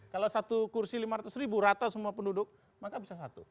kalau satu kursi lima ratus ribu rata semua penduduk maka bisa satu